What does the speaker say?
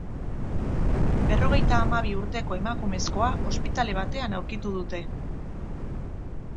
Berrogeita hamabi urteko emakumezkoa ospitale batean aurkitu dute.